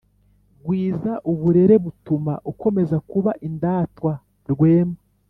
gwiza uburere butuma ukomeza kuba indatwa rwema.